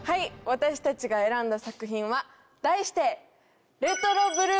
私たちが選んだ作品は題して。